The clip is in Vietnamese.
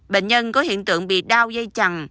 bệnh nhân có hiện tượng bị đau dây chằn